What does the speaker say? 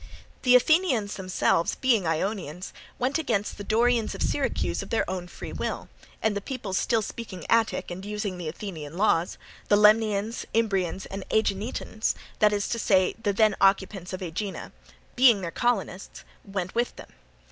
The Athenians themselves being Ionians went against the Dorians of Syracuse of their own free will; and the peoples still speaking Attic and using the Athenian laws, the Lemnians, Imbrians, and Aeginetans, that is to say the then occupants of Aegina, being their colonists, went with them.